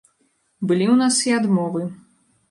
Былі ў нас і адмовы.